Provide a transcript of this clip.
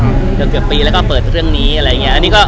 อืมเกือบเกือบปีแล้วก็เปิดเรื่องนี้อะไรอย่างเงี้ยอันนี้ก็